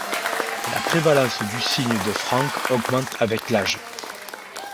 La prévalence du signe de Frank augmente avec l'âge.